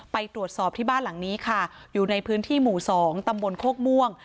ไปตรวจสอบที่บ้านหลังนี้ค่ะอยู่ในพื้นที่หมู่๒ตำบลโคกม่วง